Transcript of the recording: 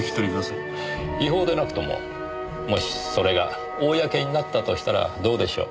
違法でなくとももしそれが公になったとしたらどうでしょう？